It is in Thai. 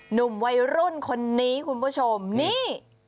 หนุ่มวัยรุ่นคนนี้คุณผู้ชมนี่